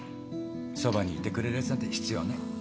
そばにいてくれるやつなんて必要ない。